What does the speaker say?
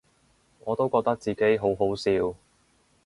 我都覺得自己好好笑